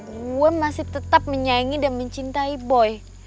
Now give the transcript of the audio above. gue masih tetap menyaingi dan mencintai boy